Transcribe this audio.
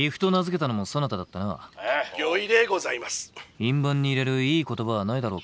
印判に入れるいい言葉はないだろうか？